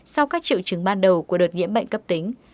sau các triệu chứng ban đầu của đợt nhiễm bệnh cấp tính